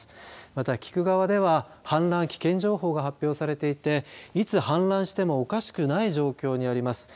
また菊川では氾濫危険情報が発表されていていつ氾濫してもおかしくない状況にあります。